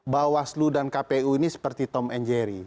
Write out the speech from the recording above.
bawaslu dan kpu ini seperti tom and jerry